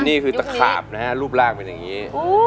นี่คือตะขาบนะฮะรูปร่างเป็นอย่างนี้